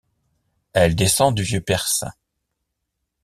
Elle descend du vieux perse.